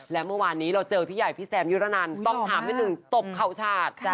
และเมื่อวานนี้เราเจอพี่ใหญ่พี่แซมยุรนันต้องถามนิดนึงตบเข่าชาติ